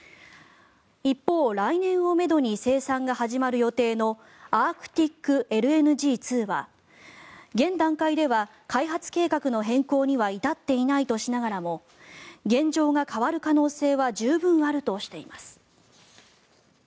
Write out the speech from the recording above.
一方、来年をめどに生産が始まる予定のアークティックＬＮＧ２は現段階では開発計画の変更には至っていないとしながらも現状が変わる可能性は十分あるとしています。